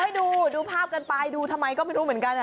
ให้ดูดูภาพกันไปดูทำไมก็ไม่รู้เหมือนกัน